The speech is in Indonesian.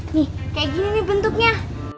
nih kayak gini nih bentuknya